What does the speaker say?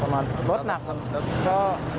๘๐เขามารถหนักคุณ